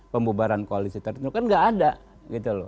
pembubaran koalisi tertentu kan tidak ada